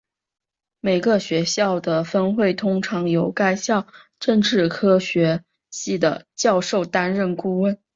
每个学校的分会通常由该校政治科学系的教授担任顾问。